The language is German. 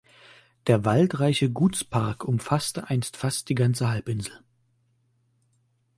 Der waldreiche Gutspark umfasste einst fast die ganze Halbinsel.